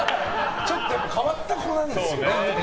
ちょっと変わった子なんですよね。